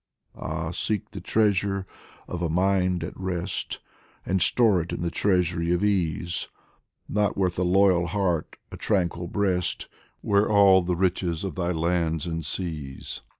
Ah, seek the treasure of a mind at rest And store it in the treasury of Ease ; Not worth a loyal heart, a tranquil breast, Were all the riches of thy lands and seas